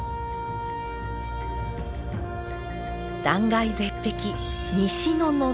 断崖絶壁